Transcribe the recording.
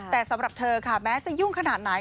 แต่สำหรับเธอค่ะแม้จะยุ่งขนาดไหน